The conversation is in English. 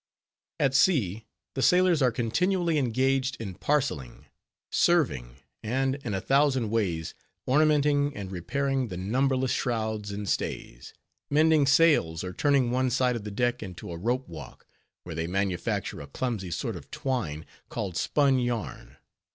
At sea, the sailors are continually engaged in "parcelling," "serving," and in a thousand ways ornamenting and repairing the numberless shrouds and stays; mending sails, or turning one side of the deck into a rope walk, where they manufacture a clumsy sort of twine, called _spun yarn.